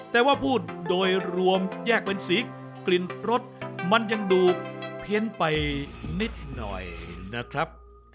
แต่ว่าพูดโดยรวมแยกเป็นสีกลิ่นรสมันยังดูเพี้ยนไปนิดหน่อยนะครับ